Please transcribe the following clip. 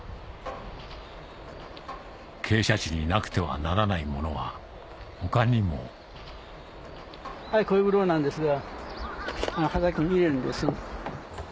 傾斜地になくてはならないものは他にもあれコエグロなんですが畑に入れるんです。